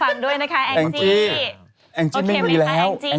แล้วมารายงานให้คุณผู้ชมฟังด้วยนะคะแองจี้